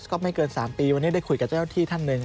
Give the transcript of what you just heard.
ก็ไม่เกิน๓ปีวันนี้ได้คุยกับเจ้าที่ท่านหนึ่ง